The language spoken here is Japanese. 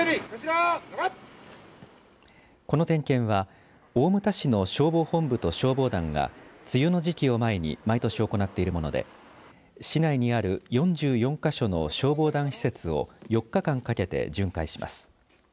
この点検は大牟田市の消防本部と消防団が梅雨の時期を前に毎年行っているもので市内にある４４か所の消防団施設を４日間かけて巡回します。